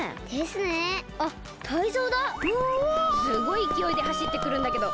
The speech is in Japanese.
すごいいきおいではしってくるんだけど。